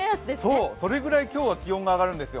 そう、それぐらい今日は気温が上がるんですよ。